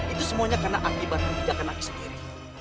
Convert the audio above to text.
itu semuanya karena akibat kebijakan aki sendiri